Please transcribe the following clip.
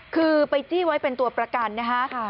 คือไปจี้ไว้เป็นตัวประกันนะคะ